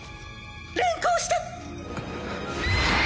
連行して！